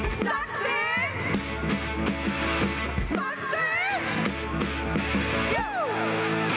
โอ้สักสิ้นสักสิ้นสักสิ้น